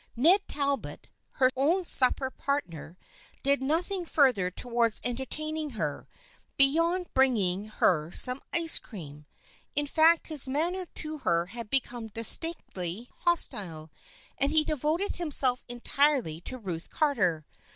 Ned Talbot, her own supper partner, did nothing further towards entertaining her, beyond bringing her some ice cream. In fact his manner to her had become distinctly hostile, and he devoted himself entirely to Ruth Carter.